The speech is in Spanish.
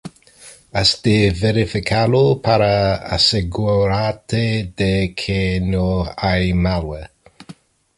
has de verificarlo para asegurarte de que no hay malware